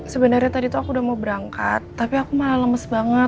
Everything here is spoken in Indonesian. sebenarnya tadi tuh aku udah mau berangkat tapi aku malah lemes banget